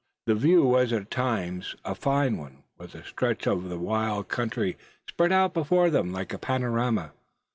The view was at times a fine one, with a stretch of the wild country spread out before them like a panorama.